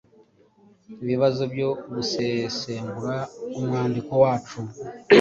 Ibibazo byo gusesengura umwandiko wacu